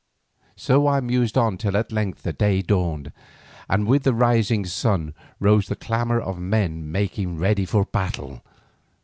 So I mused on till at length the day dawned, and with the rising sun rose the clamour of men making ready for battle.